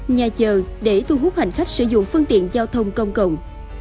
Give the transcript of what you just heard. nhà chờ để thu hút hành khách sử dụng phương tiện giao thông công cộng